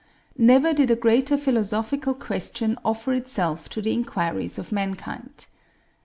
Never did a greater philosophical question offer itself to the inquiries of mankind.